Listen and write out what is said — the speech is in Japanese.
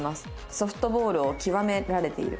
「ソフトボールを極められている。